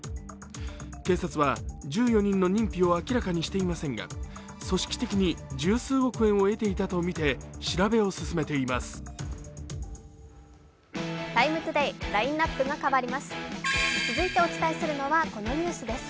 警察は１４人の認否を明らかにしていませんが組織的に十数億円を得ていたとみて調べを進めています。